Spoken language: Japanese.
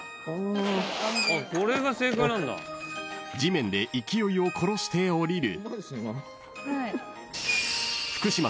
［地面で勢いを殺して降りる］